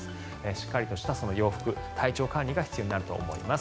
しっかりとした体調管理が必要になってきます。